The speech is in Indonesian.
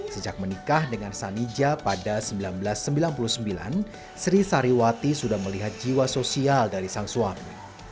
sejak menikah dengan sanija pada seribu sembilan ratus sembilan puluh sembilan sri sariwati sudah melihat jiwa sosial dari sang suami